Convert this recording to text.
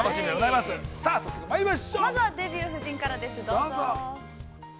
◆まずは「デビュー夫人」からです、どうぞ。